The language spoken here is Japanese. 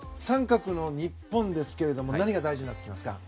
△の日本ですけども何が大事になってきますか？